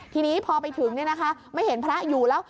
ทีนี้พอไปถึงเนี่ยนะคะไม่เห็นพระอยู่แล้ว